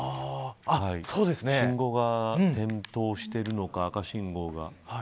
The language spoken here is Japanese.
信号が点灯しているのか赤信号が。